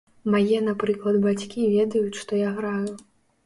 Мае, напрыклад, бацькі, ведаюць, што я граю.